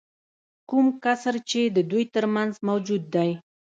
کوم کسر چې د دوی ترمنځ موجود دی